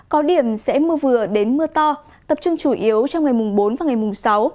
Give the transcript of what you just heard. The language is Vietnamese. có điểm sẽ mưa vừa đến mưa to tập trung chủ yếu trong ngày mùng bốn và ngày mùng sáu